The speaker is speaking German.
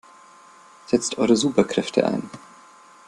Setzt eure Superkräfte ein!